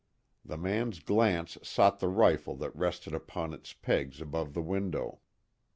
The man's glance sought the rifle that rested upon its pegs above the window.